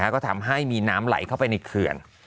ก็ทำให้มีน้ำไหลเข้าไปในเขื่อน